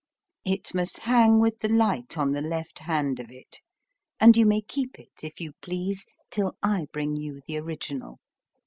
It must hang with the light on the left hand of it; and you may keep it if you please till I bring you the original.